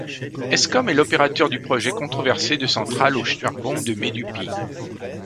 Eskom est l'opérateur du projet controversé de centrale au charbon de Medupi.